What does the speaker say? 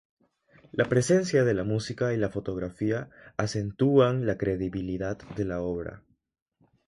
La presencia de la música y la fotografía acentúan la credibilidad de la obra.